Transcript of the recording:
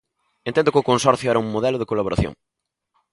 Entendo que o Consorcio era un modelo de colaboración.